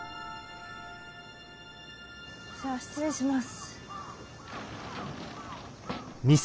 じゃあ失礼します。